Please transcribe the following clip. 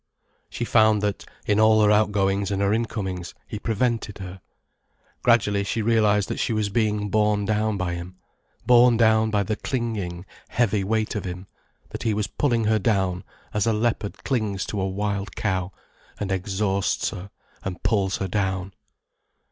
She found that, in all her outgoings and her incomings, he prevented her. Gradually she realized that she was being borne down by him, borne down by the clinging, heavy weight of him, that he was pulling her down as a leopard clings to a wild cow and exhausts her and pulls her down.